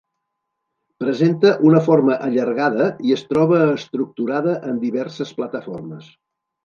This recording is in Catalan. Presenta una forma allargada i es troba estructurada en diverses plataformes.